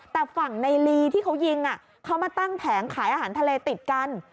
แต่ฝั่งในลีที่เขายิงเขามาตั้งแผงขายอาหารทะเลติดกัน